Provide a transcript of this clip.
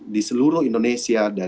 di seluruh indonesia